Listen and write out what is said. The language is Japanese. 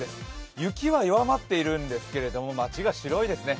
雪は弱まっているんですけど、街が白いですね。